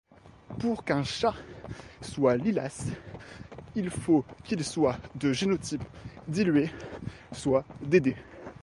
Pour qu'un chat soit lilas, il faut qu'il soit de génotype dilué, soit dd.